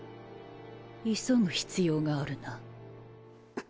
急ぐ必要があるな。